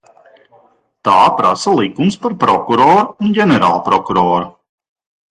Tā prasa likums par prokuroru un ģenerālprokuroru.